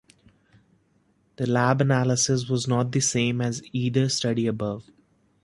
Their lab analysis was not the same as either study above.